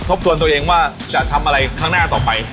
บทวนตัวเองว่าจะทำอะไรข้างหน้าต่อไป